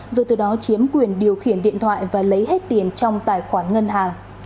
rồi từ đó chiếm quyền điều khiển điện thoại và lấy hết tiền trong tài khoản ngân hàng